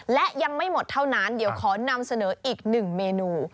และยังไม่หมดเท่านั้นเดี๋ยวขอนำเสนออีกหนึ่งเมนู